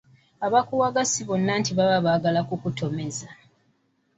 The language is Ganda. Abakuwaga si banno baba baagala kukutomeza.